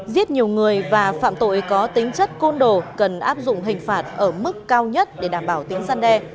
giết nhiều người và phạm tội có tính chất côn đồ cần áp dụng hình phạt ở mức cao nhất để đảm bảo tính gian đe